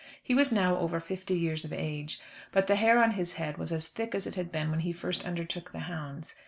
He was now over fifty years of age; but the hair on his head was as thick as it had been when he first undertook the hounds.